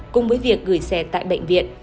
cùng với việc gửi xe tại bệnh viện